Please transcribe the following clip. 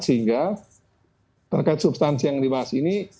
sehingga terkait substansi yang dibahas ini